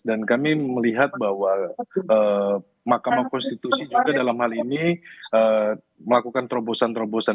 dan kami melihat bahwa mahkamah konstitusi juga dalam hal ini melakukan terobosan terobosan